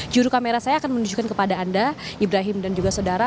juru kamera saya akan menunjukkan kepada anda ibrahim dan juga saudara